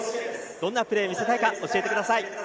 どんなプレーを見せたいか教えてください。